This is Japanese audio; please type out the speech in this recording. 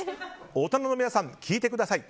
大人の皆さん聞いてください！